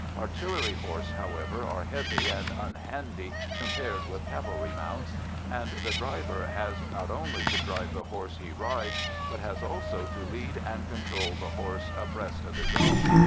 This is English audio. Artillery horses, however, are heavy and unhandy compared with cavalry mounts, and the driver has not only to drive the horse he rides, but has also to lead and control the horse abreast of his own.